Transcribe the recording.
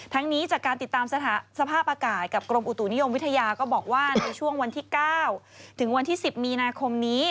นี้จากการติดตามสภาพอากาศกับกรมอุตุนิยมวิทยาก็บอกว่าในช่วงวันที่๙ถึงวันที่๑๐มีนาคมนี้